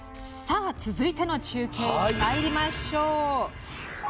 続いての中継にまいりましょう。